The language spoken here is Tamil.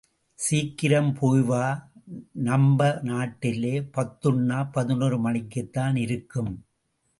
சீக்கிரம் போய்வா... நம்ப நாட்டில் பத்துன்னா பதினோரு மணிக்குத் தான் இருக்கும்.